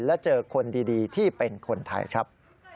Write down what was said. และเจอคนดีที่เป็นคนไทยครับ